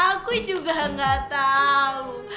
aku juga gak tau